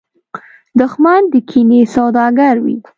دښمن د کینې سوداګر وي